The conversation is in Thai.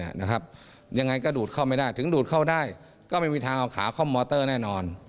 ยังไงก็ดูดเข้าไม่ได้ถึงดูดเข้าได้ก็ไม่มีทางเอาขาเข้ามอเตอร์แน่นอน